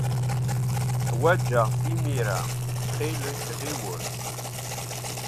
Ḥwajeɣ-t imir-a. Ttxil-k, ɣiwel!